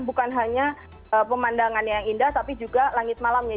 bukan hanya pemandangannya yang indah tapi juga langit malamnya